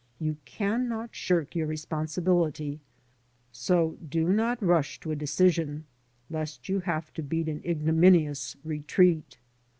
You cannot shirk your respon sibility, so do not rush to a decision lest you have to beat an ignominious retreat.